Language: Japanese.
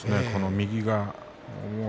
右が。